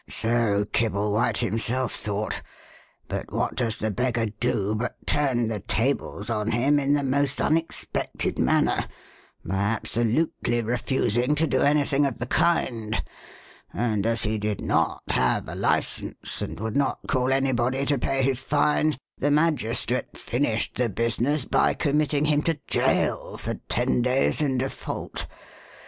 "So Kibblewhite himself thought; but what does the beggar do but turn the tables on him in the most unexpected manner by absolutely refusing to do anything of the kind, and, as he did not have a license, and would not call anybody to pay his fine, the magistrate finished the business by committing him to jail for ten days in default.